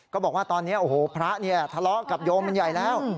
บอกว่าตอนนี้โอ้โหพระเนี่ยทะเลาะกับโยมมันใหญ่แล้ว